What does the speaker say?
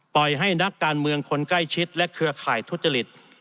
ปล่อยให้นักการเมืองคนใกล้ชิดและเครือข่ายทุจริต